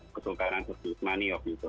kesulkaran kursus maniok gitu